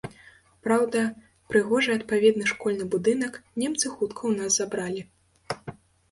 Праўда, прыгожы адпаведны школьны будынак немцы хутка ў нас забралі.